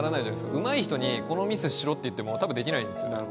うまい人にこのミスしろって言っても多分できない。